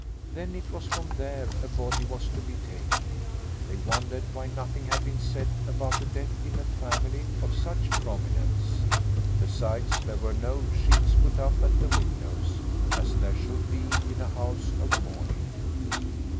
Then it was from there a body was to be taken. They wondered why nothing had been said about a death in a family of such prominence. Besides, there were no sheets put up at the windows, as there should be in a house of mourning.